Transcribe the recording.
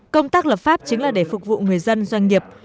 công tác lập pháp chính là để phục vụ người dân doanh nghiệp